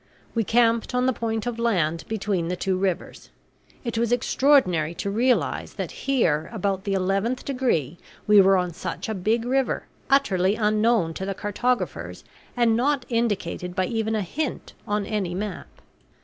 We camped on the point of land between the two rivers. It was extraordinary to realize that here about the eleventh degree we were on such a big river, utterly unknown to the cartographers and not indicated by even a hint on any map.